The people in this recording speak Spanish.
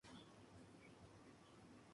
El pelaje de los toros es más oscuro.